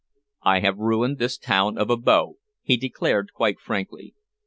"I have ruined this town of Abo," he declared, quite frankly.